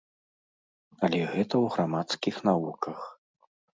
Але гэта ў грамадскіх навуках.